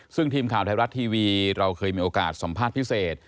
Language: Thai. ซึ่งทีมข่าวไทยรัฐทีวีเราเคยมีโอกาสสัมภาษณ์พิเศษ